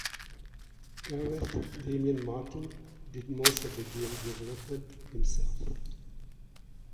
Gareth Damian Martin did most of the game development himself.